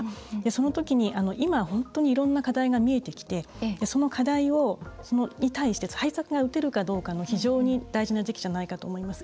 そのときに今、本当にいろんな課題が見えてきてその課題に対して対策が打てるかどうかの非常に大事な時期じゃないかと思います。